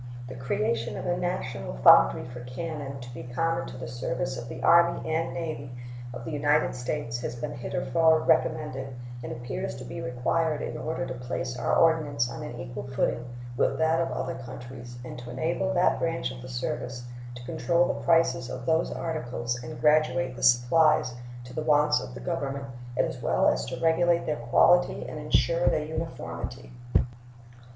The creation of a national foundry for cannon, to be common to the service of the Army and Navy of the United States, has been heretofore recommended, and appears to be required in order to place our ordnance on an equal footing with that of other countries and to enable that branch of the service to control the prices of those articles and graduate the supplies to the wants of the Government, as well as to regulate their quality and insure their uniformity.